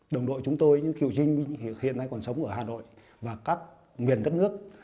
đồng đội chúng tôi những kiểu trinh hiện nay còn sống ở hà nội và các nguyên đất nước